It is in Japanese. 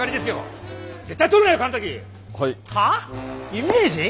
イメージ？